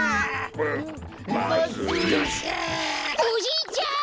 おじいちゃん！